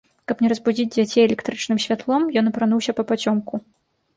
Каб не разбудзіць дзяцей электрычным святлом, ён апрануўся папацёмку.